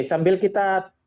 sambil kita berbicara